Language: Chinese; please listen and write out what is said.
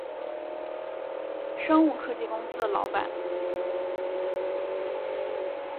生物科技公司的老板